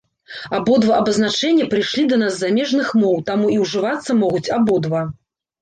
Абодва абазначэння прыйшлі да нас з замежных моў, таму і ўжывацца могуць абодва.